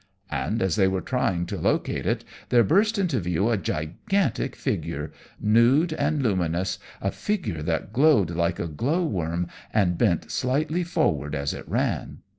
And as they were trying to locate it there burst into view a gigantic figure nude and luminous, a figure that glowed like a glow worm and bent slightly forward as it ran.